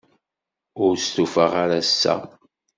Ur stufaɣ ara ass-a.